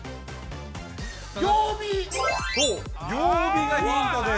◆曜日がヒントです。